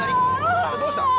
どうした？